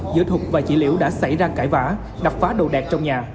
giữa thục và chị liễu đã xảy ra cãi vã đập phá đồ đẹp trong nhà